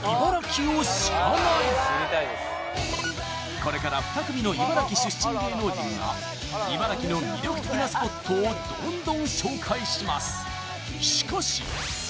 これから２組の茨城出身芸能人が茨城の魅力的なスポットをどんどん紹介します